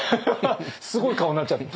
すごい顔になっちゃって。